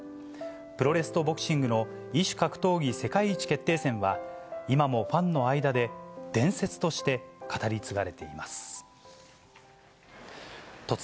プロレスとボクシングの異種格闘技世界一決定戦は、今もファンの間で伝説として語り継がれています。